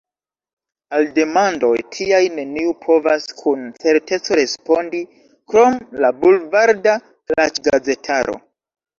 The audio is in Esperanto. Al demandoj tiaj neniu povas kun certeco respondi – krom la bulvarda klaĉgazetaro.